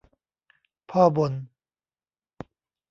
พ่อบ่น